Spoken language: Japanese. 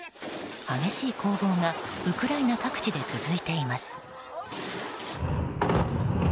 激しい攻防がウクライナ各地で続いています。